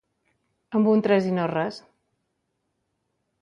Amb un tres i no res.